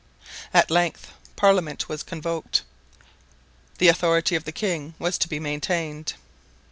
At length parliament was convoked; the authority of the king was to be maintained.